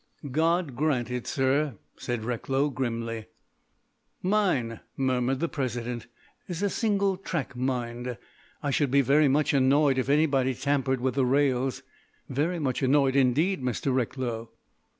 "God grant it, sir," said Recklow grimly. "Mine," murmured the President, "is a single track mind. I should be very much annoyed if anybody tampered with the rails—very much annoyed indeed, Mr. Recklow."